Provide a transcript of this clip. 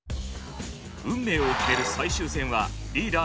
運命を決める最終戦はリーダー